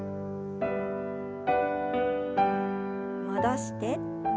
戻して。